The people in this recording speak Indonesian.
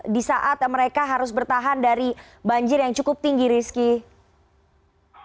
di saat mereka harus bertahan dari banjir yang cukup tinggi rizky